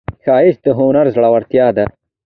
ښایست د هنر زړورتیا ده